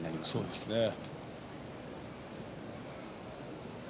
そうですね。